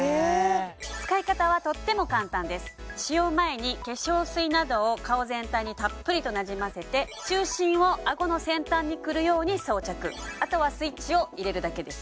使い方はとっても簡単です使用前に化粧水などを顔全体にたっぷりとなじませてあとはスイッチを入れるだけです